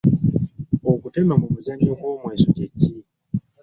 Okutema mu muzannyo gw’omweso kye ki?